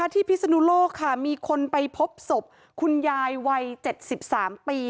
พิศนุโลกค่ะมีคนไปพบศพคุณยายวัย๗๓ปี